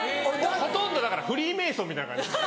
ほとんどだからフリーメイソンみたいな感じ。